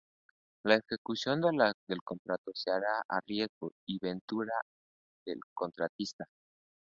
La ejecución del contrato se hará a riesgo y ventura del contratista.